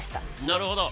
なるほど。